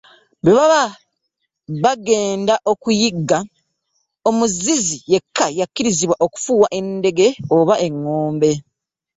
Bwe baba bagenda okuyigga, omuzizi yekka y’akkirizibwa okufuuwa eddenge oba eŋŋombe.